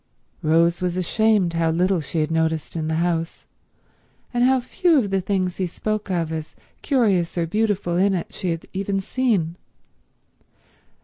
Rose was ashamed how little she had noticed in the house, and how few of the things he spoke of as curious or beautiful in it she had even seen.